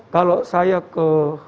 kalau saya ke